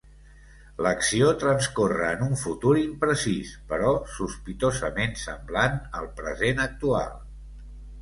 L'acció transcorre en un futur imprecís però sospitosament semblant al present actual.